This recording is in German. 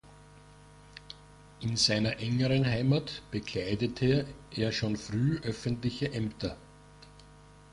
In seiner engeren Heimat bekleidete er schon früh öffentliche Ämter.